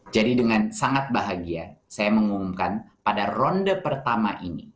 jadi dengan sangat bahagia saya mengumumkan pada ronde pertama ini